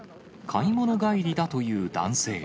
買い物帰りだという男性。